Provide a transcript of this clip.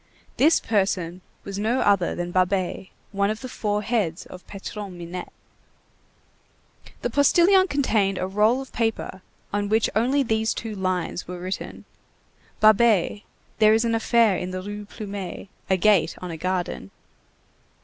This person was no other than Babet, one of the four heads of Patron Minette. The postilion contained a roll of paper on which only these two lines were written:— "Babet. There is an affair in the Rue Plumet. A gate on a garden."